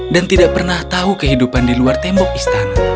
dan tidak pernah tahu kehidupan di luar tembok istana